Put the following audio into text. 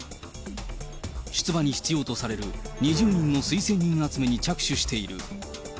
出馬に必要とされる２０人の推薦人集めに着手している。